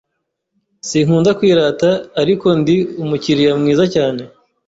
Sinkunda kwirata, ariko ndi umukiriya mwiza cyane.